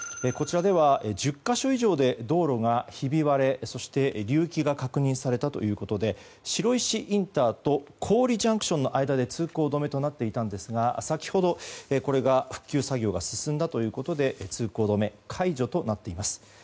こちらでは１０か所以上で道路がひび割れそして、隆起が確認されたということで白石インターと桑折ＪＣＴの間で通行止めとなっていたんですが先ほど復旧作業が進んだということで通行止め解除となっております。